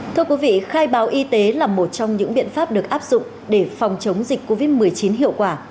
thưa quý vị khai báo y tế là một trong những biện pháp được áp dụng để phòng chống dịch covid một mươi chín hiệu quả